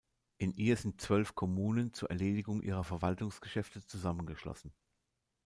In ihr sind zwölf Kommunen zur Erledigung ihrer Verwaltungsgeschäfte zusammengeschlossen.